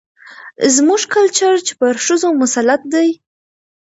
زموږ کلچر چې پر ښځو مسلط دى،